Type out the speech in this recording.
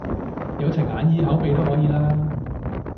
有齊眼耳口鼻都可以啦？